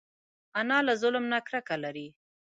انا له ظلم نه کرکه لري